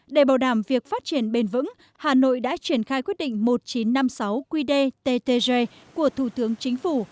để bảo đảm việc phát triển bền vững hà nội đã triển khai quyết định một nghìn chín trăm năm mươi sáu qdttg của thủ tướng chính phủ